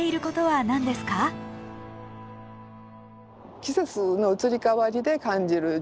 季節の移り変わりで感じる実感ですね。